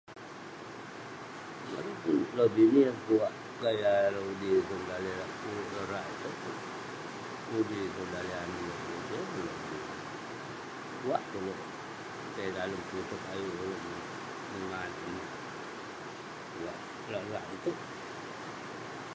bareng pun lobih neh guak gaya ireh udi,